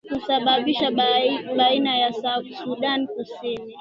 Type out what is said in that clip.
kusababisha baina ya sudan kusini